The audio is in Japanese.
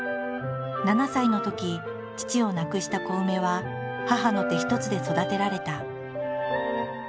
７歳のとき父を亡くしたコウメは母の手一つで育てられた。